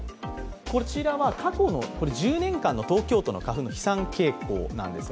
こちらは過去の１０年間の東京都の花粉の飛散傾向です。